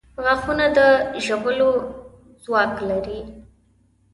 • غاښونه د ژولو ځواک لري.